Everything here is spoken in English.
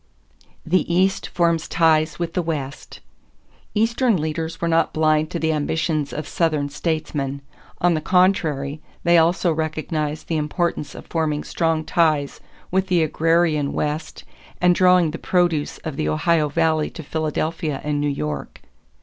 =The East Forms Ties with the West.= Eastern leaders were not blind to the ambitions of Southern statesmen. On the contrary, they also recognized the importance of forming strong ties with the agrarian West and drawing the produce of the Ohio Valley to Philadelphia and New York.